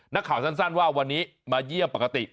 นักข่าวสั้นว่าวันนี้มาเยี่ยมปกติ